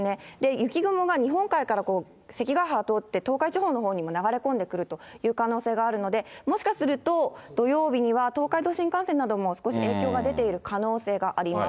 雪雲が日本海から関ヶ原通って、東海地方のほうにも流れ込んでくるという可能性があるので、もしかすると、土曜日には東海道新幹線なども少し影響が出ている可能性があります。